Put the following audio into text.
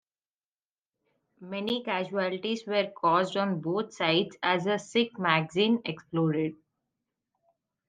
Many casualties were caused on both sides as a Sikh magazine exploded.